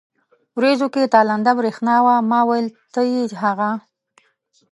ورېځو کې تالنده برېښنا وه، ما وېل ته يې هغه.